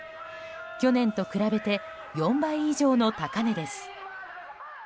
去年と比べて４倍以上の高値です。